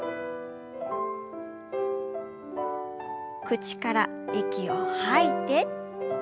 口から息を吐いて。